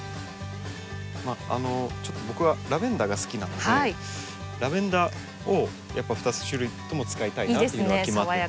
まああのちょっと僕はラベンダーが好きなのでラベンダーをやっぱ２種類とも使いたいなというのが決まってて。